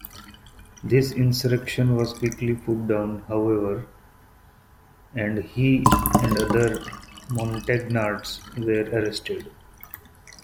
This insurrection was quickly put down however, and he and other Montagnards were arrested.